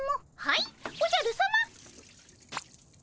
はいおじゃるさま。